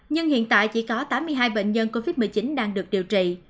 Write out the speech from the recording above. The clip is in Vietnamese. nhưng hiện tại chỉ có tám mươi hai bệnh nhân covid một mươi chín đang được điều trị